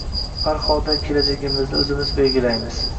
Har holda, kelajagimizni o‘zimiz belgilaymiz